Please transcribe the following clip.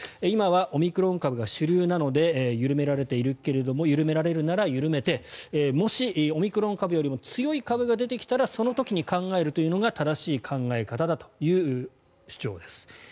今はオミクロン株が主流なので緩められているけど緩められるなら緩めてもしオミクロン株よりも強い株が出てきたら、その時に考えるのが正しい考え方だという主張です。